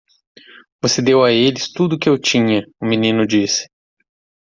"Você deu a eles tudo o que eu tinha!" o menino disse.